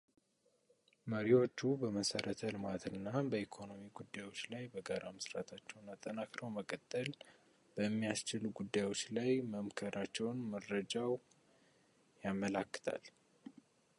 መሪዎቹ በመሰረተልማትና በኢኮኖሚ ጉዳዮች ላይ በጋራ መስራታቸውን አጠናክረው መቀጠል በሚያስችሉ ጉዳዮች ላይ መምከራቸውንም መረጃው ያመላክታል፡፡